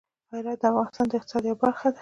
هرات د افغانستان د اقتصاد یوه برخه ده.